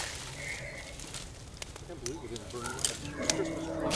Además de los perforados, destacan un centenar de discos y cilindros de púas.